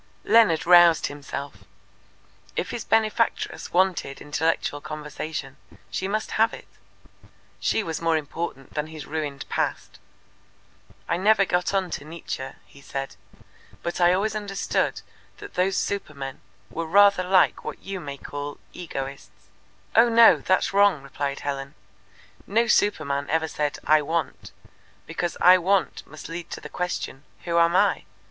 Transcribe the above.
Leonard roused himself. If his benefactress wanted intellectual conversation, she must have it. She was more important than his ruined past. "I never got on to Nietzsche," he said. "But I always understood that those supermen were rather what you may call egoists." "Oh, no, that's wrong," replied Helen. "No superman ever said 'I want,' because 'I want' must lead to the question, 'Who am I?'